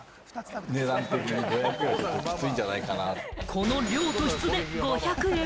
この量と質で５００円。